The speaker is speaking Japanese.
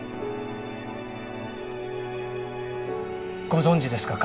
ご存じですか？